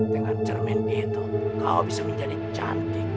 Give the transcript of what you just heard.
dengan cermin itu kau bisa menjadi cantik